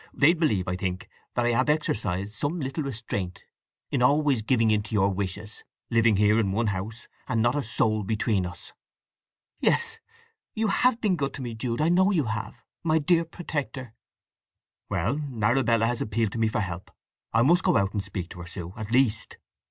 —they'd believe, I think, that I have exercised some little restraint in always giving in to your wishes—living here in one house, and not a soul between us." "Yes, you have been good to me, Jude; I know you have, my dear protector." "Well—Arabella has appealed to me for help. I must go out and speak to her, Sue, at least!"